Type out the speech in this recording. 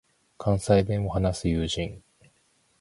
関西弁を話す友人